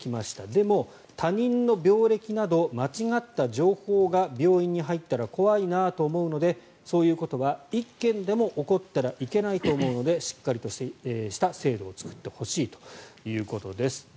でも、他人の病歴など間違った情報が病院に入ったら怖いなと思うのでそういうことは１件でも起こったらいけないと思うのでしっかりとした制度を作ってほしいということです。